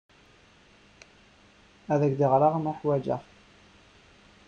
Ad ak-d-ɣreɣ, ma hwajeɣ-k.